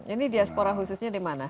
ini diaspora khususnya di mana